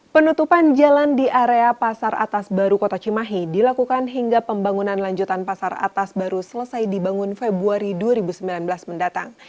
penutupan jalan di area pasar atas baru kota cimahi dilakukan hingga pembangunan lanjutan pasar atas baru selesai dibangun februari dua ribu sembilan belas mendatang